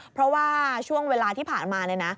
เพราะว่าช่วงเวลาที่ผ่านมาเนี่ยนะ